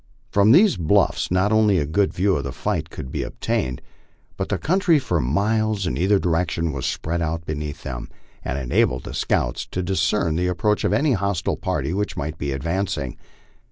From theso bluffs not only a good view of the fight could be obtained, but the country for miles in either direction was spread out beneath them, and enabled the scouts to dis cern the approach of any hostile party Which might be advancing.